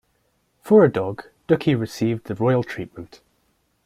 For a dog, Dookie received the royal treatment.